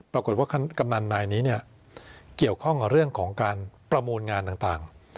กำนันนายนี้เกี่ยวข้องกับเรื่องของการประมูลงานต่าง